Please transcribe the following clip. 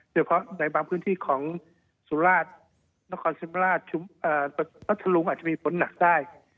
เฉพาะในบางพื้นที่ของสุราชนครศรีธรรมราชพัทธรุงอาจจะมีฝนหนักได้